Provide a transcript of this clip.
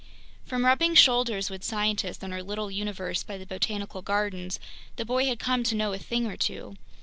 From rubbing shoulders with scientists in our little universe by the Botanical Gardens, the boy had come to know a thing or two.